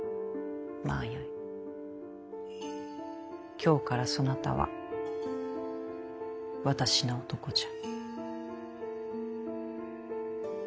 今日からそなたは私の男じゃ。